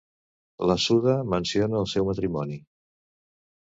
La Suda menciona el seu matrimoni.